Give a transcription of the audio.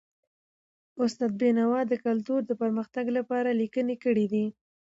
استاد بینوا د کلتور د پرمختګ لپاره لیکني کړي دي.